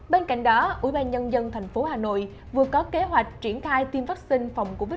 bên cạnh đó ủy ban nhân dân thành phố hà nội vừa có kế hoạch triển khai tiêm vaccine phòng covid một mươi chín